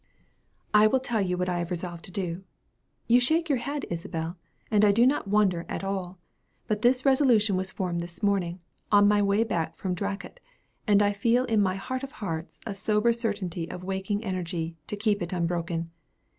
"I will tell you what I have resolved to do. You shake your head, Isabel, and I do not wonder at all. But this resolution was formed this morning, on my way back from Dracut; and I feel in my 'heart of hearts' 'a sober certainty of waking' energy to keep it unbroken.